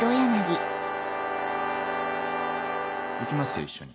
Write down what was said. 行きますよ一緒に。